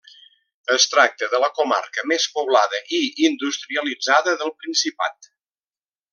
Es tracta de la comarca més poblada i industrialitzada del principat.